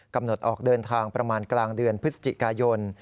ออกเดินทางประมาณกลางเดือนพฤศจิกายน